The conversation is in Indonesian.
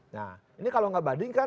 nah ini kalau nggak banding kan